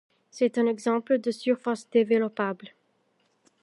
C'est un exemple de surface développable.